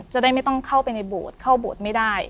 จะได้ไม่ต้องเข้าไปในโบสถ์เข้าโบสถ์ไม่ได้